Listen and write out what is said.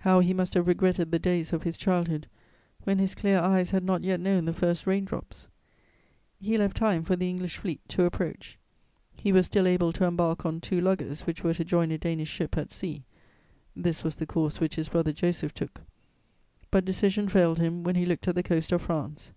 How he must have regretted the days of his childhood, when his clear eyes had not yet known the first rain drops! He left time for the English fleet to approach. He was still able to embark on two luggers which were to join a Danish ship at sea (this was the course which his brother Joseph took); but decision failed him when he looked at the coast of France.